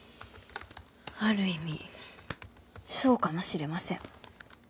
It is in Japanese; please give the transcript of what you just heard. ある意味そうかもしれません。